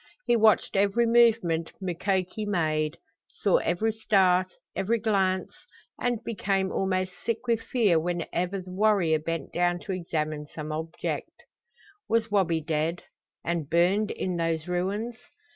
He watched every movement Mukoki made; saw every start, every glance, and became almost sick with fear whenever the warrior bent down to examine some object. Was Wabi dead and burned in those ruins?